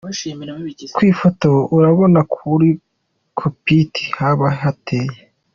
Ku ifoto urabona uko muri 'Cockpit' haba hateye.